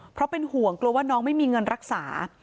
เพราะเป็นห่วงกลัวว่าน้องไม่มีเงินรักษา